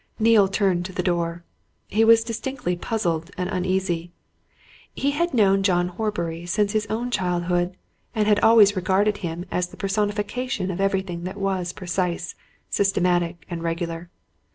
Neale turned to the door. He was distinctly puzzled and uneasy. He had known John Horbury since his own childhood, and had always regarded him as the personification of everything that was precise, systematic, and regular.